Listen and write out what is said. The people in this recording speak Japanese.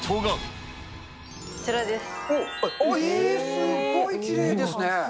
すっごいきれいですね。